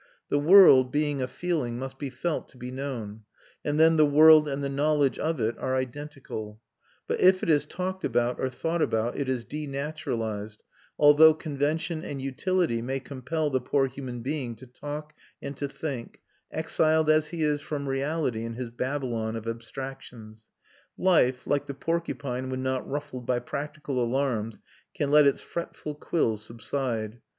The world, being a feeling, must be felt to be known, and then the world and the knowledge of it are identical; but if it is talked about or thought about it is denaturalised, although convention and utility may compel the poor human being to talk and to think, exiled as he is from reality in his Babylon of abstractions. Life, like the porcupine when not ruffled by practical alarms, can let its fretful quills subside.